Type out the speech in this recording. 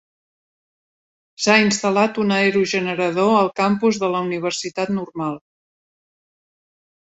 S'ha instal·lat un aerogenerador al campus de la universitat Normal.